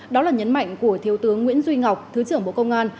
đó là nhấn mạnh của thiếu tướng nguyễn duy ngọc thứ trưởng bộ công an